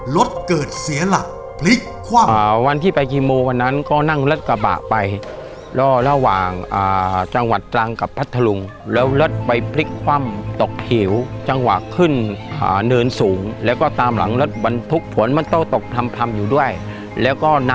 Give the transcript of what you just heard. รถเกิดเสียหลักพริกขว่ำ